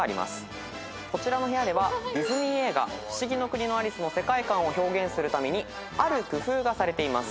こちらの部屋ではディズニー映画『ふしぎの国のアリス』の世界観を表現するためにある工夫がされています。